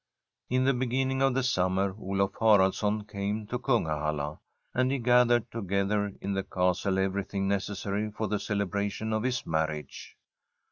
In the beginning of the summer Olaf Haralds son came to Kungahalla, and he gathered to gether in the castle everything necessary for the [182I ASTRID celebration of his marriage.